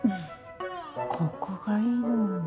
ここがいいのよね